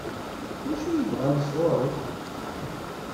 D acu i bɣan sɣur-k?